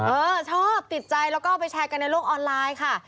เออชอบติดใจแล้วก็เอาไปแชร์กันในโลกออนไลน์ค่ะ